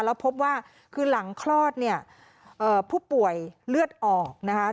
แล้วพบว่าคือหลังคลอดเนี่ยผู้ป่วยเลือดออกนะคะ